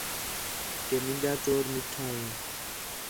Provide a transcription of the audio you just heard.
کہ مینجا چور میٹھا ہے